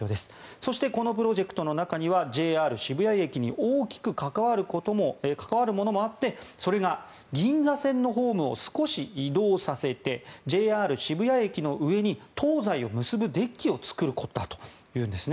そしてこのプロジェクトの中にはＪＲ渋谷駅に大きく関わるものもあってそれが銀座線のホームを少し移動させてＪＲ渋谷駅の上に東西を結ぶデッキを作ることだというんですね。